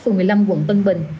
phường một mươi năm quận tân bình